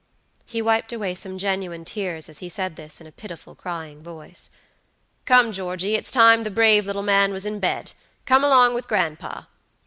He wiped away some genuine tears as he said this in a pitiful, crying voice. "Come, Georgey, it's time the brave little man was in bed. Come along with grandpa.